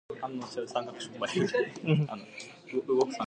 Flaxman received a loan from Angas to invest in land in South Australia.